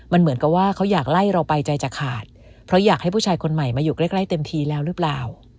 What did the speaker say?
มันเหมือนกับว่าเขาอยากไล่เราไปใจจะขาดเพราะอยากให้ผู้ชายคนใหม่มาอยู่ใกล้เต็มทีแล้วหรือเปล่า